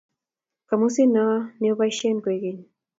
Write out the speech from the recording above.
kamusit noe neoboisien kwekeny